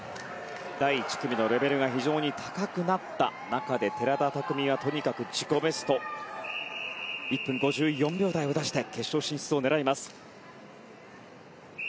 第１組のレベルが非常に高くなった中で寺田拓未は、とにかく自己ベスト１分５４秒台を出して決勝進出を狙います。